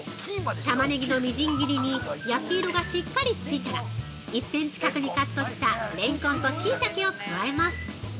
タマネギのみじん切りに焼き色がしっかりついたら１センチ角にカットしたレンコンとシイタケを加えます。